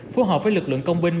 phù hợp với lực lượng công binh